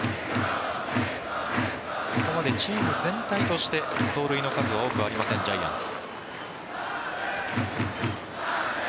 ここまでチーム全体として盗塁の数は多くありませんジャイアンツ。